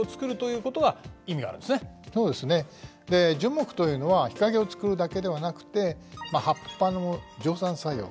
樹木というのは日陰を作るだけではなくて葉っぱの蒸散作用。